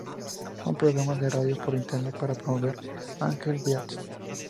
Un programa de radio por Internet para promover "Angel Beats!